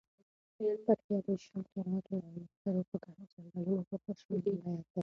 پکتیا د شاتراشو او نښترو په ګڼو ځنګلونو پوښل شوی ولایت دی.